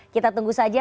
kita tunggu saja